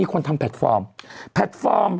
อืมอืมอืม